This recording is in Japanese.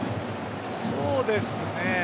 そうですね。